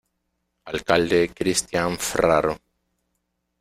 Alcalde Cristian Ferraro